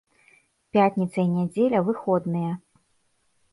Пятніца і нядзеля выходныя.